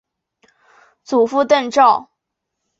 祖父郑肇。